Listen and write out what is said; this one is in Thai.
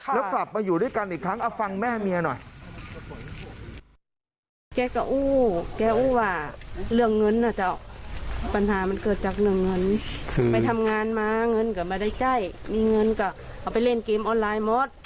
แล้วกลับมาอยู่ด้วยกันอีกครั้งเอาฟังแม่เมียหน่อย